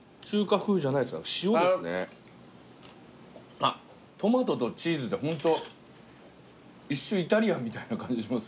あっトマトとチーズでホント一瞬イタリアンみたいな感じします。